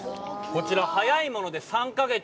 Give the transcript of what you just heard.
こちら、早いもので３か月。